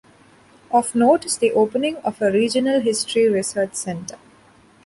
Of note is the opening of a "regional history research center".